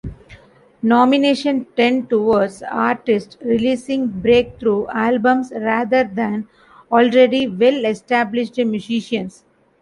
Nominations tend towards artists releasing breakthrough albums rather than already well-established musicians.